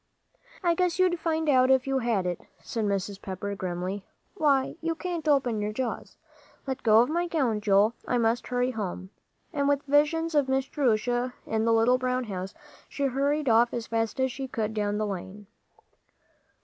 "I guess you'd find out if you had it," said Mrs. Pepper, grimly. "Why, you can't open your jaws. Let go of my gown, Joel. I must hurry home." And with visions of Miss Jerusha in the little brown house, she hurried off as fast as she could down the lane.